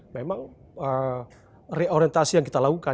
memang reorientasi yang kita lakukan